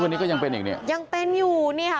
วันนี้ก็ยังเป็นอีกเนี่ยยังเป็นอยู่นี่ค่ะ